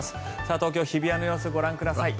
東京・日比谷の様子ご覧ください。